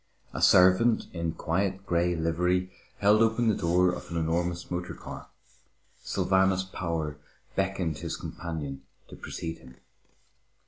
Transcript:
A servant in quiet grey livery held open the door of an enormous motor car. Sylvanus Power beckoned his companion to precede him.